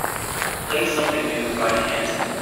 play something new by tansen